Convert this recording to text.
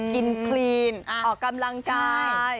กินคลีนอ๋อกำลังชาย